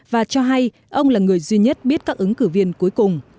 và cho hay ông là người duy nhất biết các ứng cử viên cuối cùng